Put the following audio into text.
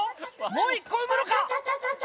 もう１個産むのか？